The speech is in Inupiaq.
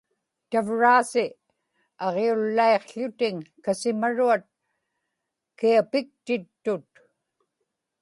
tavraasi aġiullaiqł̣utiŋ kasimaruat kiapiktittut